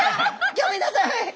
ギョめんなさい！